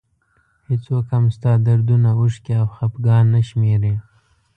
هېڅوک هم ستا دردونه اوښکې او خفګان نه شمېري.